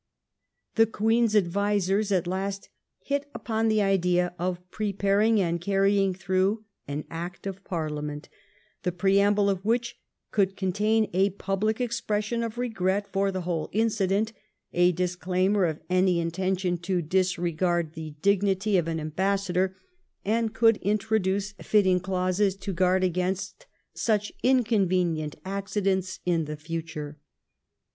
The Queen's advisers at last hit upon the idea of preparing and carrying through an Act of Parliament the preamble of which could contain a public expression 1708 AN ACT OF APOLOGY. 19 of regret for the whole incident, a disclaimer of any intention to disregard the dignity of an ambassador, and could introduce fitting clauses to guard against such inconvenient accidents in the future.